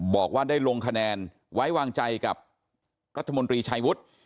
บอกว่าได้ลงคะแนนไว้วางใจกับรัฐมนตรีชัยวุฒิ